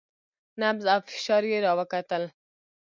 نبض او فشار يې راوکتل.